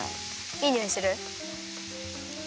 いいにおいする？